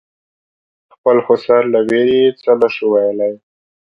خپل خسر له وېرې یې څه نه شو ویلای.